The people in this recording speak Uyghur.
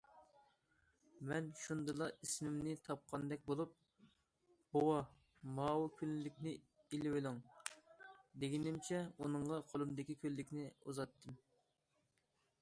مەن شۇندىلا ئېسىمنى تاپقاندەك بولۇپ،‹‹ بوۋا، ماۋۇ كۈنلۈكنى ئېلىۋېلىڭ›› دېگىنىمچە ئۇنىڭغا قولۇمدىكى كۈنلۈكنى ئۇزاتتىم.